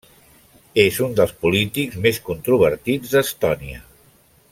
És un dels polítics més controvertits d'Estònia.